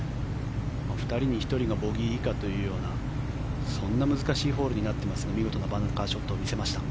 ２人に１人がボギー以下というようなそんな難しいホールになってますが見事なバンカーショットを見せました。